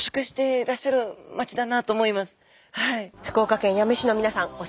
福岡県八女市の皆さん